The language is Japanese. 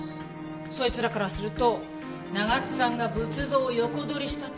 そいつらからすると長津さんが仏像を横取りしたって事になるわね。